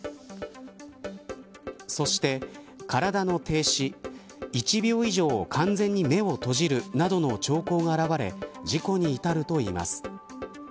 そして、体の停止１秒以上、完全に目を閉じるなどの兆候が現れ事故に至るといいます。